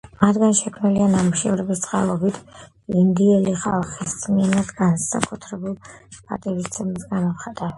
მათგან შექმნილი ნამუშევრების წყალობით, ინდიელი ხალხის მიმართ განსაკუთრებულ პატივისცემას გამოვხატავ.